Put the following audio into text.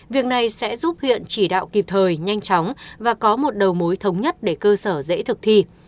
việc này sẽ giúp huyện chỉ đạo kịp thời nhanh chóng và có một đầu mối thống nhất để cơ sở dễ thực thi